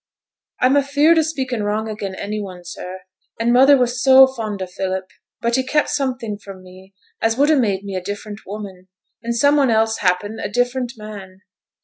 'I'm afeared of speaking wrong again' any one, sir. And mother were so fond o' Philip; but he kept something from me as would ha' made me a different woman, and some one else, happen, a different man.